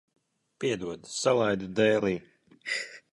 Piedod, salaidu dēlī.